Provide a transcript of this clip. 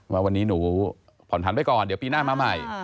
ว่าวันนี้หนูผ่อนผันไปก่อนเดี๋ยวปีหน้ามาใหม่